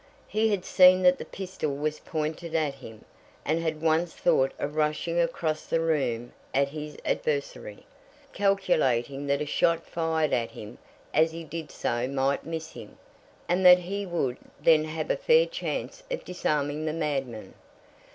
He had seen that the pistol was pointed at himself, and had once thought of rushing across the room at his adversary, calculating that a shot fired at him as he did so might miss him, and that he would then have a fair chance of disarming the madman.